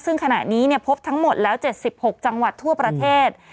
ซึ่งขณะนี้พบทั้งหมดแล้ว๗๖จังหวัดทั่วประเทศ